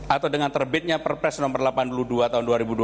atau dengan terbitnya perpres nomor delapan puluh dua tahun dua ribu dua puluh